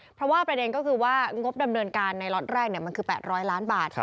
เพราะว่าประเด็นก็คือว่างบดำเนินการในล็อตแรกมันคือ๘๐๐ล้านบาท